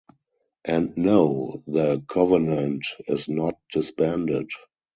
And No, The Kovenant is not disbanded.